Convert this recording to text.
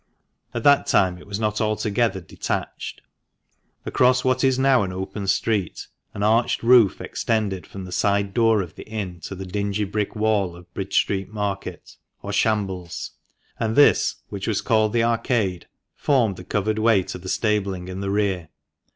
At that time it was not altogether detached. Across what is now an open street, an arched roof extended from the side door of the inn to the dingy brick wall of Bridge Street Market (or shambles), and this, which was called the Arcade, formed the covered way to the stabling in the rear.